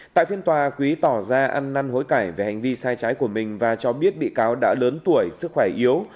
tại phiên tòa quý tỏ ra ăn năn hối cải về hành vi sai trái của mình và cho biết bị cáo đã lớn tuổi sức khỏe yếu